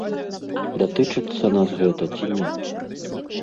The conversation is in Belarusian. Датычыцца нас гэта ці не?